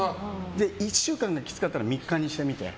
１週間がきつかったら３日にしてみて。